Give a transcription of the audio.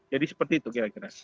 jadi seperti itu kira kira